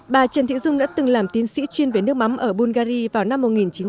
bà trần thị dung đã từng làm tiến sĩ chuyên về nước mắm ở bulgari vào năm một nghìn chín trăm chín mươi ba